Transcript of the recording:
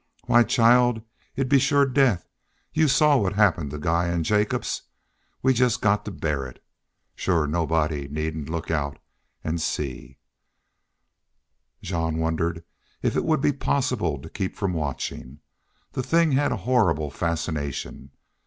"Why, child, it'd be shore death. Y'u saw what happened to Guy an' Jacobs.... We've jest got to bear it. Shore nobody needn't look out an' see." Jean wondered if it would be possible to keep from watching. The thing had a horrible fascination.